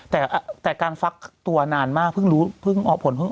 แต่การฟักตัวนานมากเพิ่งรู้ภึ่งออกผล